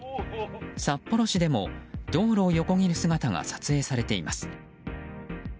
札幌市でも道路を横切る姿が撮影されています。